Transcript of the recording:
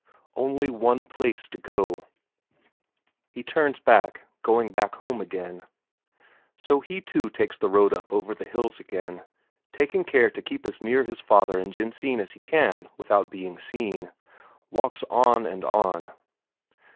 Only one place to go; he turns back, going back home again. So he too takes the road up over the hills again, taking care to keep as near his father and Jensine as he can without being seen. Walks on and on.